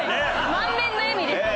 満面の笑みですね。